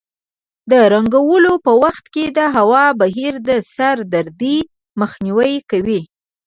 د رنګولو په وخت کې د هوا بهیر د سر دردۍ مخنیوی کوي.